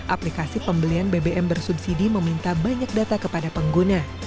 aplikasi pembelian bbm bersubsidi meminta banyak data kepada pengguna